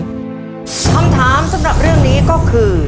คำถามสำหรับเรื่องนี้ก็คือ